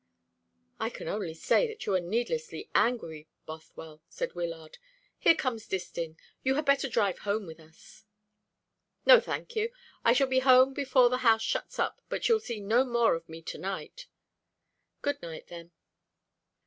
"I can only say that you are needlessly angry, Bothwell," said Wyllard. "Here comes Distin. You had better drive home with us." "No, thank you; I shall be home before the house shuts up; but you'll see no more of me to night." "Good night, then."